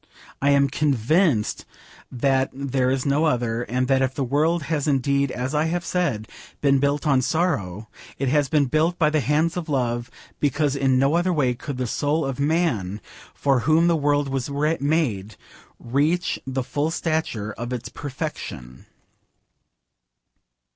I am convinced that there is no other, and that if the world has indeed, as I have said, been built of sorrow, it has been built by the hands of love, because in no other way could the soul of man, for whom the world was made, reach the full stature of its perfection.